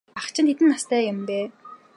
Ах чинь хэдэн настай юм бэ?